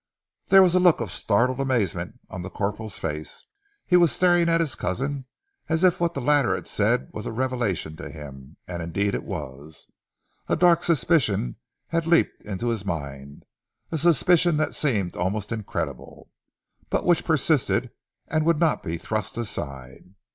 There was a look of startled amazement on the corporal's face. He was staring at his cousin as if what the latter had said was a revelation to him, as indeed it was. A dark suspicion had leapt in his mind, a suspicion that seemed almost incredible, but which persisted and would not be thrust aside.